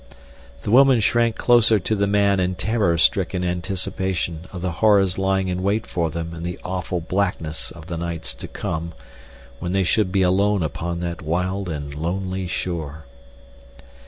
The woman shrank closer to the man in terror stricken anticipation of the horrors lying in wait for them in the awful blackness of the nights to come, when they should be alone upon that wild and lonely shore.